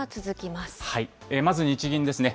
まず日銀ですね。